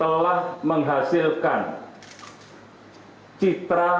agar penghasilan r sogaran